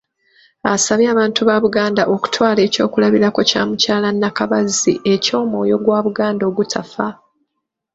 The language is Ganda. Asabye abantu ba Buganda okutwala eky'okulabirako kya Mukyala Nakabazzi eky'omwoyo gwa Buganda ogutafa.